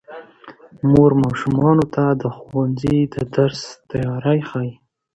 مور ماشومانو ته د ښوونځي د درس تیاری ښيي